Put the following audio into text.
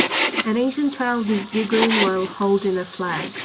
An Asian child is giggling while holding a flag.